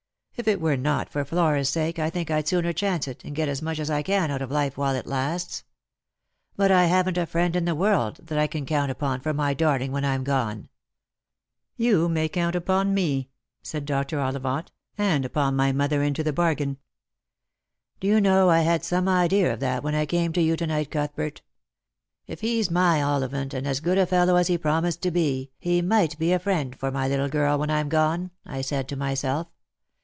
If it were not for Flora's sake I think I'd sooner chance it, and get as much as I can out of life while it lasts. But I haven't a friend in the world that I can count upon for my darling when I'm gone." " You may count upon me," said Dr. Ollivant, " and upon my mother into the bargain." " Do you know I had some idea of that when I came to you to night, Cuthbert ? If he's my Ollivant, and as good a fellow as he promised to be, he might be a friend for my little girl when I'm gone, I said to myself.